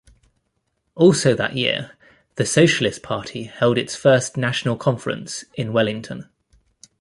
Also that year the Socialist Party held its first national conference in Wellington.